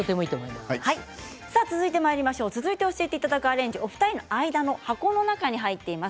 続いて教えてもらうアレンジはお二人の間にある箱の中に入っています。